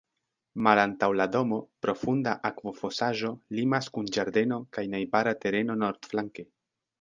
Malantaŭ la domo, profunda akvofosaĵo limas kun ĝardeno kaj najbara tereno nordflanke.